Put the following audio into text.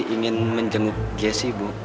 ingin menjenguk jessi bu